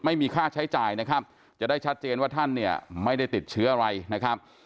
ไม่มีค่าใช้จ่ายนะครับจะได้ชัดเจนว่าท่านเนี่ยไม่ได้ติดเชื้ออะไรนะครับ